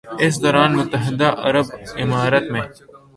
اس دوران متحدہ عرب امارات میں